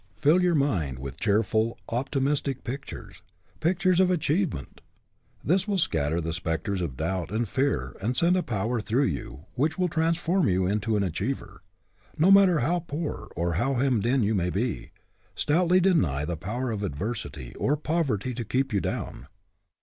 Fill your mind with cheerful, optimistic pictures, pic tures of achievement. This will scatter the 12 HE CAN WHO THINKS HE CAN spectres of doubt and fear and send a power through you which will transform) you into an achiever. No matter how poor or how hemmed in you may be, stoutly deny the power of adversity or poverty to keep you down.